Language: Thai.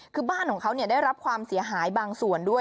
คือบ้านของเขาได้รับความเสียหายบางส่วนด้วย